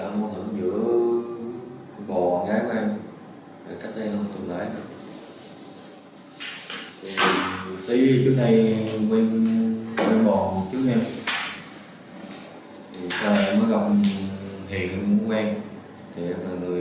nguyễn người bảo hiền đã bắt tiền lấy ba quán ăn bán bán bán vô lái